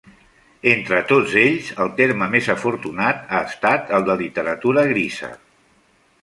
Entre tots ells, el terme més afortunat ha estat el de literatura grisa.